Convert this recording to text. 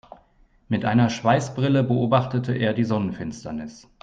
Mit einer Schweißbrille beobachtete er die Sonnenfinsternis.